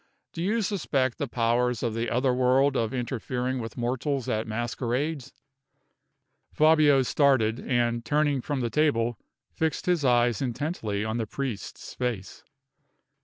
Do you suspect the powers of the other world of interfering with mortals at masquerades?" Fabio started, and, turning from the table, fixed his eyes intently on the priest's face.